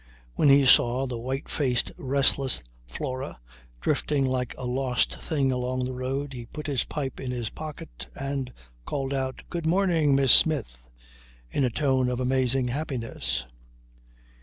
When he saw the white faced restless Flora drifting like a lost thing along the road he put his pipe in his pocket and called out "Good morning, Miss Smith" in a tone of amazing happiness.